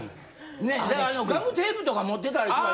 ねだからガムテープとか持ってたりとか。